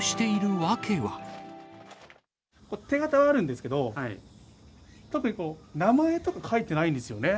手形はあるんですけど、特に名前とか書いてないんですよね。